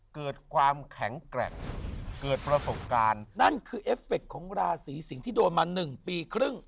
เกิดความแข็งแกร่งเกิดประสบการณ์นั่นคือเอฟเฟคของราศีสิงศ์ที่โดนมา๑ปีครึ่ง